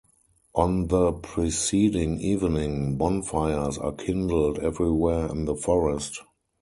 On the preceding evening, bonfires are kindled everywhere in the forest.